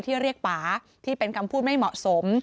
เรียกป่าที่เป็นคำพูดไม่เหมาะสม